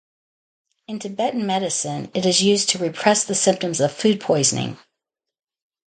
In Tibetan medicine it is used to repress the symptoms of food poisoning.